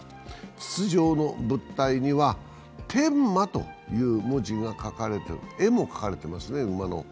筒状の物体には「天馬」という文字、馬の絵も描かれていますね。